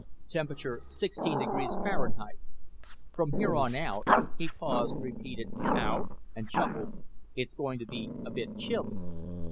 "Temperature sixteen degrees Fahrenheit. From here on out " he paused, repeated "out" and chuckled "it's going to be a bit chilly.